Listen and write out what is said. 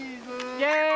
イエイ！